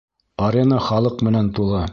Арена халыҡ менән тулы.